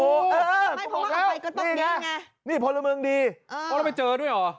เออเออเพราะว่าเอาไปก็ต้องเงินไงนี่นะนี่พลเมิงดีเออเพราะว่าไปเจอด้วยเหรอ